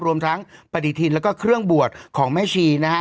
รวมทั้งปฏิทินแล้วก็เครื่องบวชของแม่ชีนะฮะ